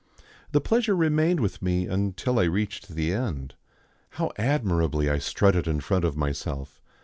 The pleasure remained with me until I reached the end. How admirably I strutted in front of myself!